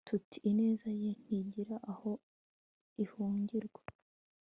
tuti, ineza ye ntigira aho ihungirwa